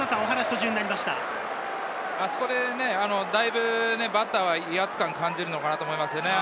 あそこでだいぶバッターは威圧感を感じるのだと思います。